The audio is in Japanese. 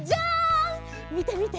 みてみて！